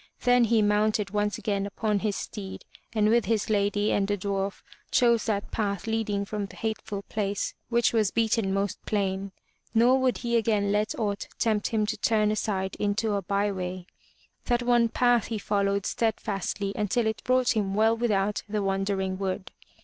Then he mounted once again upon his steed, and with his lady and the dwarf, chose that path leading from the hateful place which was beaten most plain. Nor would he again let aught tempt him to turn aside into a byway. That one path he followed stead fastly until it brought him well without the Wandering Wood.